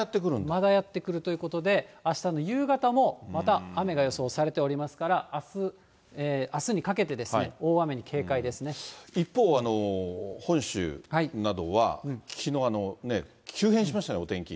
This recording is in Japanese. またやって来るということで、あしたの夕方も、また雨が予想されておりますから、あすにかけて、一方、本州などは、きのう、急変しましたよね、お天気。